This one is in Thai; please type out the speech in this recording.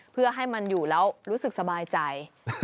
เพื่อให้มันอยู่แล้วรู้สึกสบายใจ